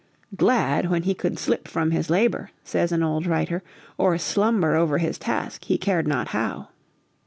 "Glad when he could slip from his labour," says an old writer, "or slumber over his task he cared not how."